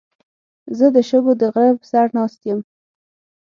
زه د شګو د غره په سر ناست یم.